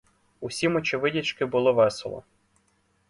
Усім очевидячки було весело.